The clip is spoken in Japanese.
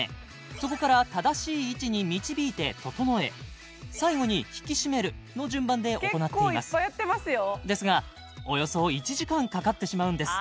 そこから正しい位置に導いて整え最後に引き締めるの順番で行っていますですがおよそ１時間かかってしまうんです